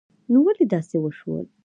نو ولی داسی وشول